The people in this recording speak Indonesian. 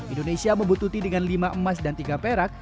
indonesia membutuhkan dengan lima emas dan tiga perak